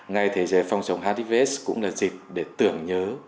ngày thế giới phòng chống hivs cũng là dịp để tưởng nhớ